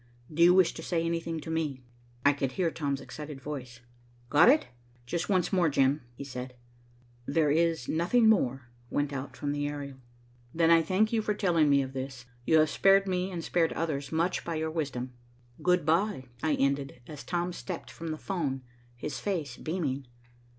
"Do you wish to say anything to me?" I could hear Tom's excited voice. "Got it?" "Just once more, Jim," he said. "There is nothing more," went out from the aerial. "Then I thank you for telling me of this. You have spared me and spared others much by your wisdom. Good bye." "Good bye," I ended, as Tom stepped from the 'phone, his face beaming.